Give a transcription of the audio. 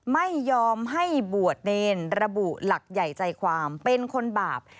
ไม่ยอมให้บวชเนรระบุหลักใหญ่ใจความเป็นคนบาป